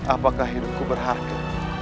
apakah hidupku berharga